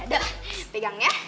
ada pegang ya